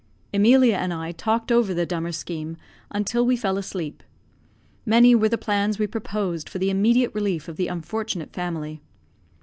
Emilia and I talked over the Dummer scheme until we fell asleep. Many were the plans we proposed for the immediate relief of the unfortunate family.